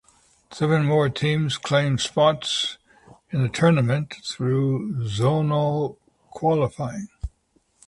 Seven more teams claimed spots in the tournament through Zonal Qualifying.